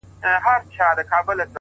د زړه سکون له روښانه وجدان راځي؛